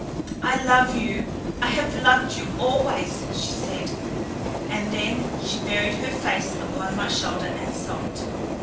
"I love you—I have loved you always!" she said, and then she buried her face upon my shoulder and sobbed.